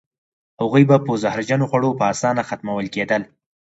هغوی به په زهرجنو خوړو په اسانه ختمول کېدل.